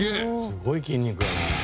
すごい筋肉やな。